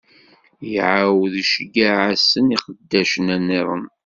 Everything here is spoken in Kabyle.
Iɛawed iceggeɛ-asen iqeddacen-nniḍen.